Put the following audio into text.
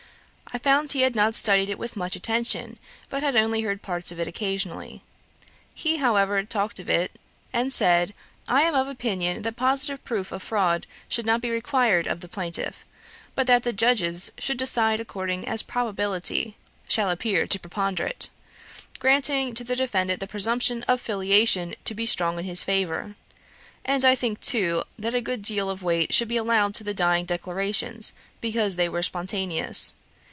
I found he had not studied it with much attention, but had only heard parts of it occasionally. He, however, talked of it, and said, 'I am of opinion that positive proof of fraud should not be required of the plaintiff, but that the Judges should decide according as probability shall appear to preponderate, granting to the defendant the presumption of filiation to be strong in his favour. And I think too, that a good deal of weight should be allowed to the dying declarations, because they were spontaneous.